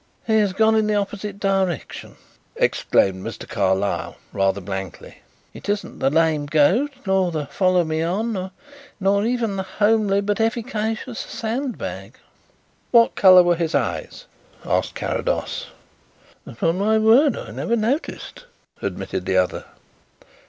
"He has gone in the opposite direction," exclaimed Mr. Carlyle, rather blankly. "It isn't the 'lame goat' nor the 'follow me on,' nor even the homely but efficacious sand bag." "What colour were his eyes?" asked Carrados. "Upon my word, I never noticed," admitted the other.